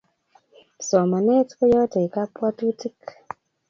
Somanet koyate kapwatutik